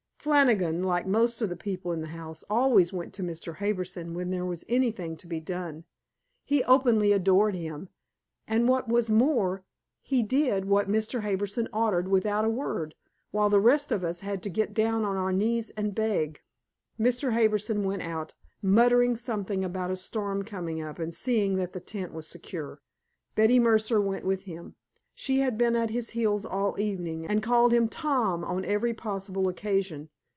Flannigan like most of the people in the house always went to Mr. Harbison when there was anything to be done. He openly adored him, and what was more he did what Mr. Harbison ordered without a word, while the rest of us had to get down on our knees and beg. Mr. Harbison went out, muttering something about a storm coming up, and seeing that the tent was secure. Betty Mercer went with him. She had been at his heels all evening, and called him "Tom" on every possible occasion.